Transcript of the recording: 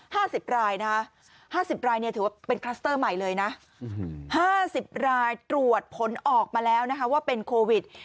ห้าสิบรายนะฮะห้าสิบรายเนี่ยถือว่าเป็นคลัสเตอร์ใหม่เลยนะห้าสิบรายตรวจผลออกมาแล้วนะคะว่าเป็นโควิด